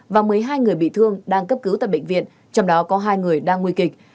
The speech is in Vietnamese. và một mươi hai người bị thương đang cấp cứu tại bệnh viện trong đó có hai người đang nguy kịch